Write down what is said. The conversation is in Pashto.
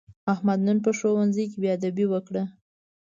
احمد نن په ښوونځي کې بېادبي وکړه.